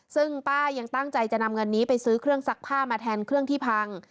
ซึ่งป้ายังตั้งใจจะนำเงินนี้ไปซื้อเครื่องซักผ้ามาแทนเครื่องที่พัง